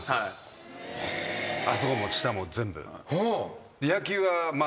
あそこも下も全部。